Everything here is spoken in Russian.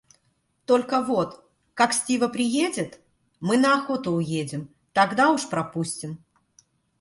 Только вот, как Стива приедет, мы на охоту уедем, тогда уж пропустим.